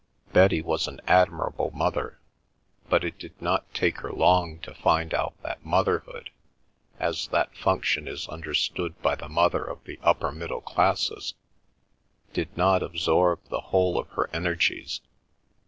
Betty was an admirable mother; but it did not take her long to find out that motherhood, as that function is understood by the mother of the upper middle classes, did not absorb the whole of her energies.